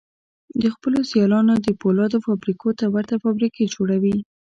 د خپلو سيالانو د پولادو فابريکو ته ورته فابريکې جوړوي.